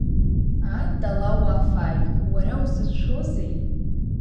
Ат, ала уафааит, уара узыцәшәозеи?